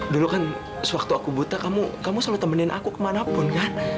dulu kan sewaktu aku buta kamu selalu temenin aku kemanapun kan